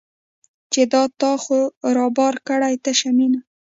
چې دا تا خو رابار کړې تشه مینه